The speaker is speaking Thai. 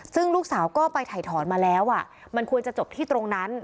ซึ่งลูกสาวก็ไปถ่ายถอนมาแล้วมันควรจะจบที่ตรงนั้น